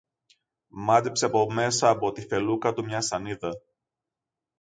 Μάζεψε από μέσα από τη φελούκα του μια σανίδα